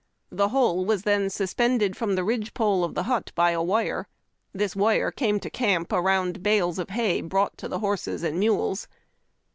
The whole was then suspended from the ridge pole of the hut by a wire. This wii'e came to camp around bales of hay brought to the horses and mules.